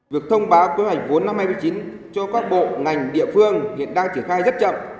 việc thông báo kế hoạch vốn năm hai nghìn một mươi chín cho các bộ ngành địa phương hiện đang triển khai rất chậm